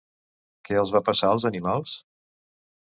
Què els va passar als animals?